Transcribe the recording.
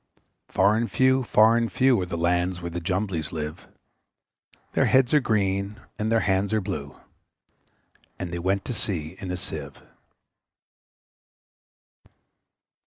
Far and few, far and few, Are the lands where the Jumblies live; Their heads are green, and their hands are blue, And they went to sea in a Sieve.